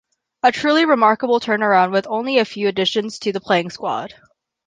A truly remarkable turnaround with only a few additions to the playing squad.